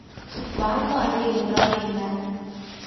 வாய்பாடு என்றால் என்ன?